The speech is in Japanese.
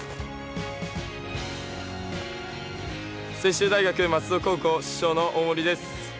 専修大学松戸高校主将の大森です。